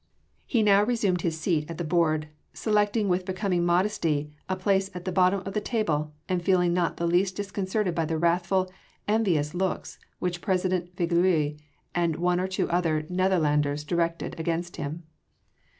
He now resumed his seat at the board, selecting with becoming modesty a place at the bottom of the table and feeling not the least disconcerted by the wrathful, envious looks which President Viglius and one or two other Netherlanders directed against him.